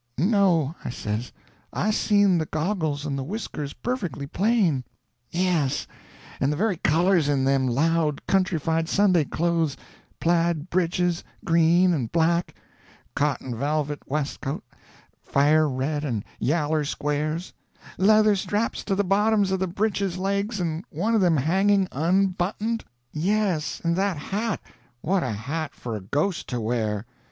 "No," I says; "I seen the goggles and the whiskers perfectly plain." "Yes, and the very colors in them loud countrified Sunday clothes—plaid breeches, green and black—" "Cotton velvet westcot, fire red and yaller squares—" "Leather straps to the bottoms of the breeches legs and one of them hanging unbottoned—" "Yes, and that hat—" "What a hat for a ghost to wear!"